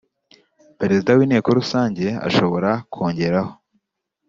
Perezida w Inteko Rusange ashobora kongeraho